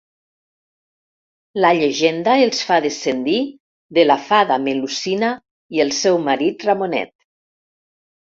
La llegenda els fa descendir de la fada Melusina i el seu marit Ramonet.